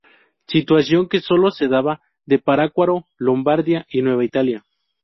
Situación que solo se daba en Parácuaro, Lombardia y Nueva Italia.